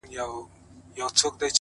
o او په وجود كي مي؛